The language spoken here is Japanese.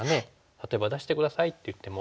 例えば「出して下さい」って言っても。